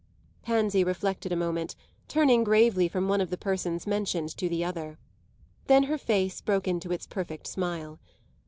Pansy reflected a moment, turning gravely from one of the persons mentioned to the other. Then her face broke into its perfect smile.